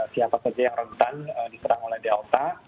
siapa saja yang orang utama diserang oleh delta